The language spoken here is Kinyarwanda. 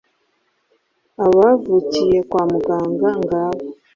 abavukiye kwa muganga ngaba